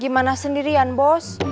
gimana sendirian bos